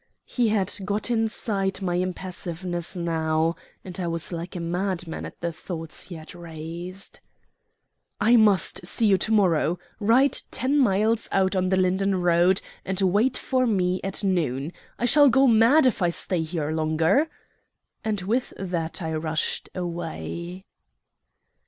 He had got inside my impassiveness now, and I was like a madman at the thoughts he had raised. "I must see you to morrow. Ride ten miles out on the Linden road, and wait for me at noon. I shall go mad if I stay here longer." And with that I rushed away.